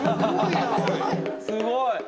すごい！